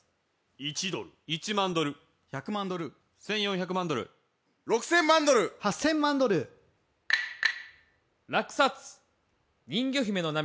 １ドル・１万ドル・１００万ドル・１４００万ドル・６０００万ドル・８０００万ドル・落札人魚姫の涙